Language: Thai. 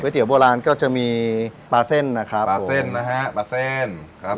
เตี๋ยโบราณก็จะมีปลาเส้นนะครับปลาเส้นนะฮะปลาเส้นครับ